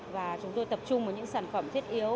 và chúng tôi tập trung vào những sản phẩm thiết yếu